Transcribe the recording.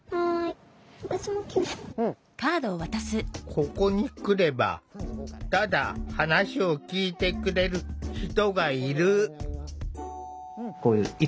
ここに来ればただ話を聴いてくれる人がいる。